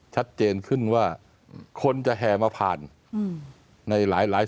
ชัดเจนขึ้นว่าคนจะแห่มาผ่านในหลาย